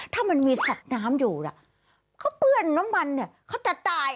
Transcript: ถ้ามันมีสัตว์น้ำอยู่น่ะเขาเปื้อนน้ำมันเนี่ยเขาจะตาย